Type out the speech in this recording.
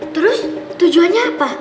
terus tujuannya apa